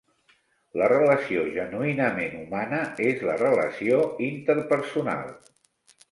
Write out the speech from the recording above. La relació genuïnament humana és la relació interpersonal.